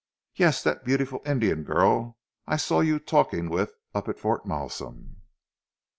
"Yes, that beautiful Indian girl I saw you talking with up at Fort Malsun."